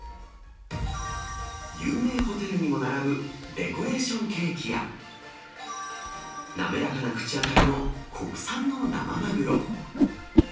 有名ホテルにも並ぶデコレーションケーキや、滑らかな口当たりの国産の生マグロ。